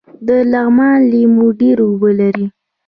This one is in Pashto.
د لغمان لیمو ډیر اوبه لري